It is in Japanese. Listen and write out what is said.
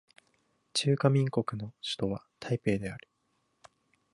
中華民国の首都は台北である